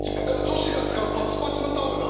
女子が使うパチパチのタオルだ。